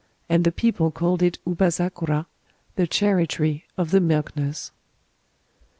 And the people called it Ubazakura, the Cherry tree of the Milk Nurse.